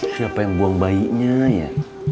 siapa yang buang bayinya ya